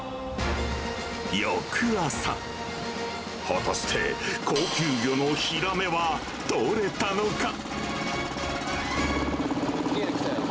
翌朝、果たして、高級魚のヒラメは取れたのか？